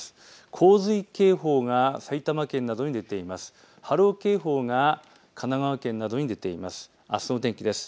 洪水警報が埼玉県などに出ています。